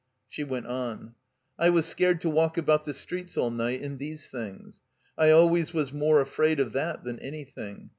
She went on. "I was scared to walk about the streets all night in these things. I always was more afraid of that than anything.